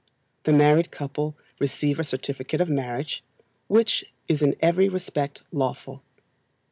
The married couple receive a certificate of marriage, which is in every respect lawful.